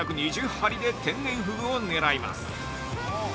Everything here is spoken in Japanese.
針で天然ふぐを狙います。